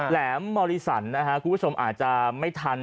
แหลมมอริสันนะฮะคุณผู้ชมอาจจะไม่ทัน